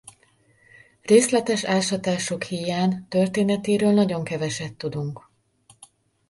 Részletes ásatások híján történetéről nagyon keveset tudunk.